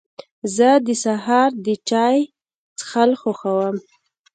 زه د سهار د چای څښل خوښوم.